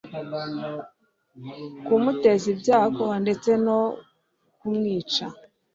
kumuteza ibyago ndetse no kumwica